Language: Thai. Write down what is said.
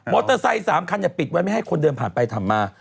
มอเตอร์ไซส์๓คันอย่าปิดไว้ไม่ให้คนเดินผ่านไปทำมา